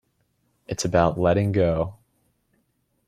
It's about letting go.